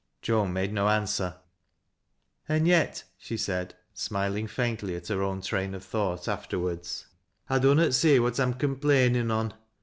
Joan made no answer. "An' yet," she said, smiling faintly at her own train of thought afterward, " I dunnot see what I'm complainin' on.